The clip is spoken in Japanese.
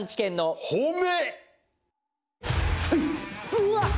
うわっ！